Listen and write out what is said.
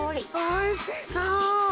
おいしそう！